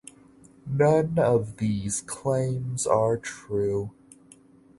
None of these claims are true.